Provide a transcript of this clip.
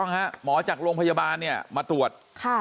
หมอจากโรงพยาบาลเนี่ยมาตรวจ